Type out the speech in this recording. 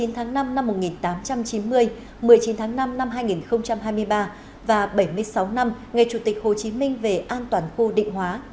một mươi tháng năm năm một nghìn tám trăm chín mươi một mươi chín tháng năm năm hai nghìn hai mươi ba và bảy mươi sáu năm ngày chủ tịch hồ chí minh về an toàn khu định hóa